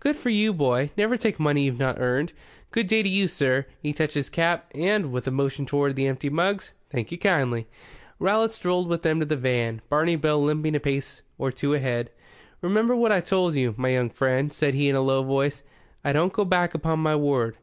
"Good for you, boy. Never take money you've not earned. Good day to you, sir" he touched his cap. "And" with a motion toward the empty mugs "thank you kindly." Rowlatt strolled with them to the van, Barney Bill limping a pace or two ahead. "Remember what I told you, my young friend," said he in a low voice. "I don't go back upon my word.